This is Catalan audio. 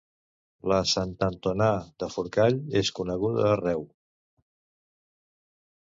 La Santantonà de Forcall és coneguda arreu